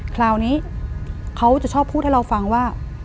คราวนี้เขาจะชอบพูดให้เราฟังว่า